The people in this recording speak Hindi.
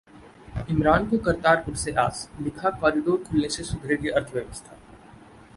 इमरान को करतारपुर से आस, लिखा- कॉरिडोर खुलने से सुधरेगी अर्थव्यवस्था